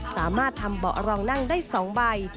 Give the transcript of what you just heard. สามารถทำเบาะรองนั่งได้๒ใบ